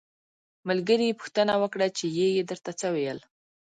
ملګري یې پوښتنه وکړه چې یږې درته څه وویل.